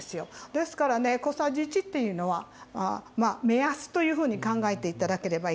ですからね小さじ１っていうのはまあ目安というふうに考えて頂ければいいと思います。